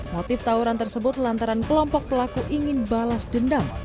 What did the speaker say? motif tawuran tersebut lantaran kelompok pelaku ingin balas dendam